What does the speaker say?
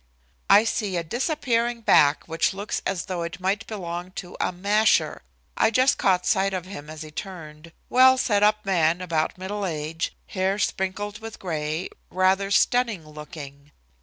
"I see a disappearing back which looks as though it might belong to a 'masher.' I just caught sight of him as he turned well set up man about middle age, hair sprinkled with gray, rather stunning looking."